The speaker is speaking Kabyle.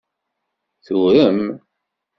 Turem.